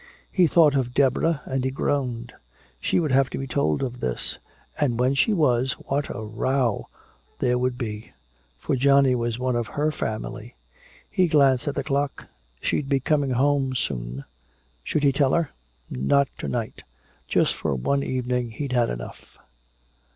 He thought of Deborah and he groaned. She would have to be told of this; and when she was, what a row there would be! For Johnny was one of her family. He glanced at the clock. She'd be coming home soon. Should he tell her? Not to night! Just for one evening he'd had enough!